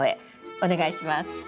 お願いします。